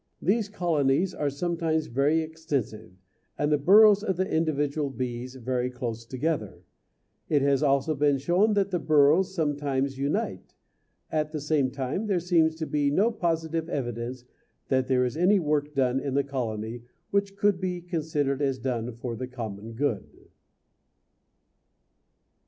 These colonies are sometimes very extensive, and the burrows of the individual bees very close together; it has also been shown that the burrows sometimes unite at the same time there seems to be no positive evidence that there is any work done in the colony which could be considered as done for the common good.